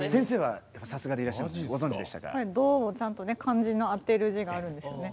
「ド」もちゃんと漢字の当てる字があるんですよね。